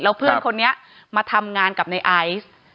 เพื่อนคนนี้มาทำงานกับในไอซ์